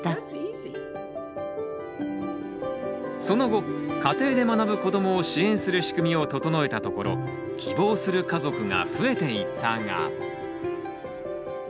その後家庭で学ぶ子どもを支援する仕組みを整えたところ希望する家族が増えていったが。